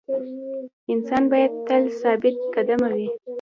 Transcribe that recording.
انسان باید تل ثابت قدمه وي.